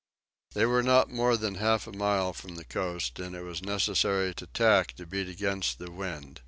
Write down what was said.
They were not more than half a mile from the coast, and it was necessary to tack to beat against the wind.